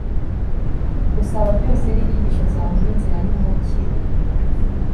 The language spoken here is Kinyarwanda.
unsaba byose n'inyigisho zawe ni inzira yumukiro